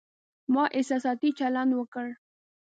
ما احساساتي چلند وکړ